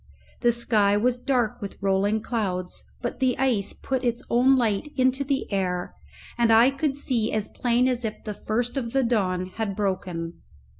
The sky was dark with rolling clouds, but the ice put its own light into the air, and I could see as plain as if the first of the dawn had broken.